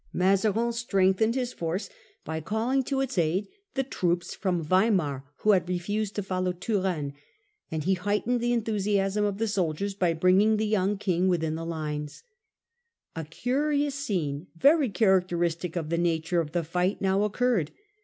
Jftgg Mazarin strengthened his force by calling to garde. its aid the troops from W eimar who had refused to follow Turenne, and he heightened the enthusiasm of the soldiers by bringing the young King within tjje lines. The New Fronde. 165a 56 A curious scene, very characteristic of the nature of the fight, now occurred.